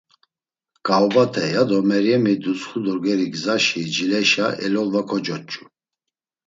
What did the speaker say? “Ǩaobate!” ya do Meryemi dutsxu dorgeri gzaşa jileşa elolva kocoç̌u.